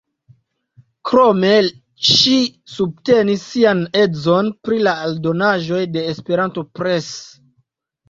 Krome ŝi subtenis sian edzon pri la eldonaĵoj de Esperanto Press.